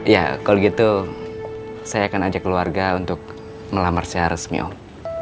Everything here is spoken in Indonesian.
ya kalau gitu saya akan ajak keluarga untuk melamar secara resmi om